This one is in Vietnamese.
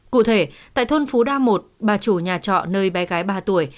cụ thể tại thôn phú đa một ba chủ nhà trọ nơi bé gái ba tuổi